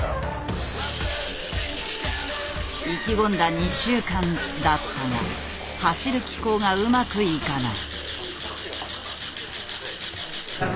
意気込んだ２週間だったが走る機構がうまくいかない。